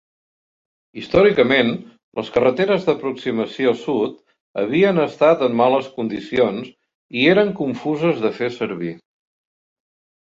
Històricament, les carreteres d'aproximació sud havien estat en males condicions i eren confuses de fer servir.